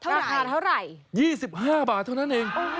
ราคาเท่าไหร่๒๕บาทเท่านั้นเอง